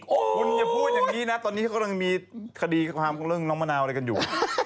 คุณอย่าพูดอย่างนี้นะตอนนี้เขากำลังมีคดีความของเรื่องน้องมะนาวอะไรกันอยู่